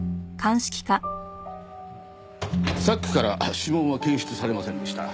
サックから指紋は検出されませんでした。